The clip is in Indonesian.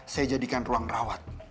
saya jadikan ruang rawat